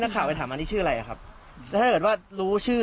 ข่าวไปถามอันนี้ชื่ออะไรอ่ะครับแล้วถ้าเกิดว่ารู้ชื่อ